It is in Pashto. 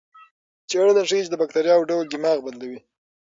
څېړنه ښيي چې د بکتریاوو ډول دماغ بدلوي.